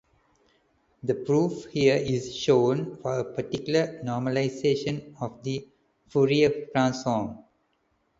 The proof here is shown for a particular normalization of the Fourier transform.